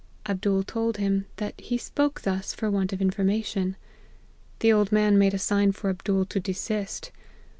Abdool told him, that he spoke thus, for want of information. The old man made a sign for Abdool to desist.